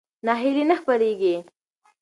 ناهیلي نه خپرېږي.